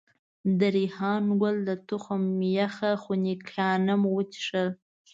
د ریحان ګل د تخم یخ خنکيانه مو وڅښل.